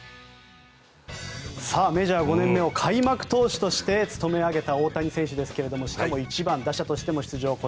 メジャー５年目を開幕投手として務め上げた大谷選手ですがしかも１番打者としても出場。